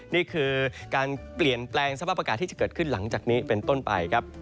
นี่คือการเปลี่ยนแปลงสภาพอากาศที่จะเกิดขึ้นหลังจากนี้เป็นต้นไปครับ